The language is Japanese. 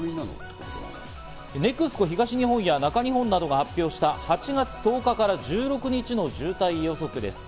ＮＥＸＣＯ東日本や中日本などが発表した８月１０日から１６日の渋滞予測です。